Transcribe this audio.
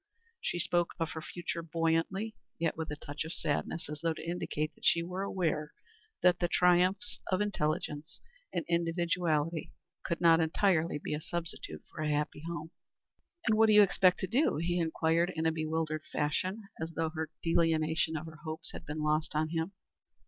She spoke of her future buoyantly, yet with a touch of sadness, as though to indicate that she was aware that the triumphs of intelligence and individuality could not entirely be a substitute for a happy home. "And what do you expect to do?" he inquired in a bewildered fashion, as though her delineation of her hopes had been lost on him.